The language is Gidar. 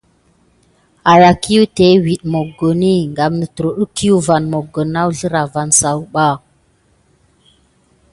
An kiyiga mokoni kisile suyé kam kurum sukié gudasoko vas na suke wusane didaha.